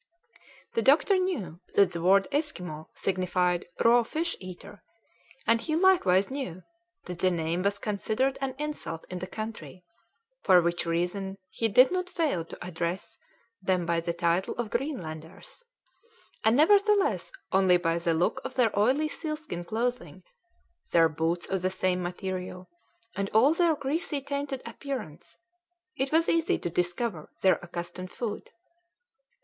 The doctor knew that the word Esquimaux signified raw fish eater, and he likewise knew that the name was considered an insult in the country, for which reason he did not fail to address them by the title of Greenlanders, and nevertheless only by the look of their oily sealskin clothing, their boots of the same material, and all their greasy tainted appearance, it was easy to discover their accustomed food.